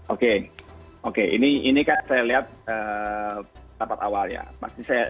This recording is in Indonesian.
oke ini kan saya lihat dapat awalnya